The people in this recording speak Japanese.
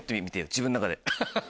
自分の中で。